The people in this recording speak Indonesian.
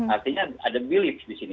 artinya ada belief disini